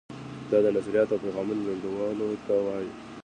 دا د نظریاتو او پیغامونو لیږدولو ته وایي.